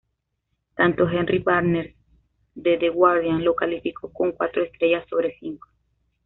Tanto Henry Barnes de "The Guardian" lo calificó con cuatro estrellas sobre cinco.